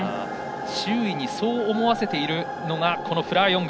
周囲にそう思わせているのがこのフラー・ヨング。